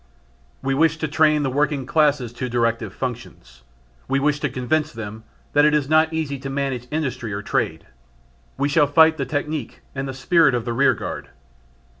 We wish to train the working classes to directive functions. We wish to convince them that it is not easy to manage Industry or Trade: we shall fight the technique and the spirit of the rearguard.